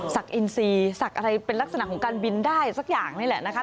อินซีสักอะไรเป็นลักษณะของการบินได้สักอย่างนี่แหละนะคะ